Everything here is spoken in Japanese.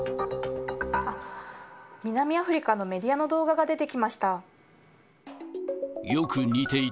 あっ、南アフリカのメディアの動画が出てきました。